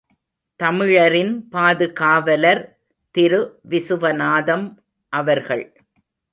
தமிழரின் பாதுகாவலர் திரு விசுவநாதம் அவர்கள்.